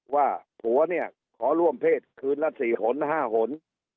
ว่าผัวขอร่วมเพศคืน๔๕หน